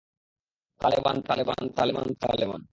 Taliban, Taliban, Taliban, Taliban.